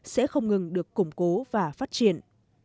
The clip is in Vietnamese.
sẽ không ngừng được củng cố và phát triển